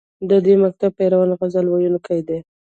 د دې مکتب پیروان غزل ویونکي دي